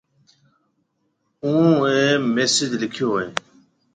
اُوئون اَي مسِج لکيو هيَ۔